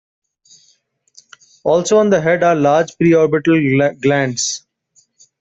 Also on the head are large preorbital glands.